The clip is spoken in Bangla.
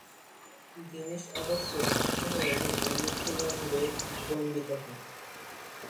দীনেশ অবশ্য সুস্থ হয়ে ওঠেন ও মৃত্যুদণ্ডে দণ্ডিত হন।